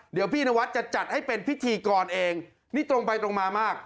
เดี๋ยวพี่นวัดจะจัดให้เป็นพิธีกรเองนี่ตรงไปตรงมามาก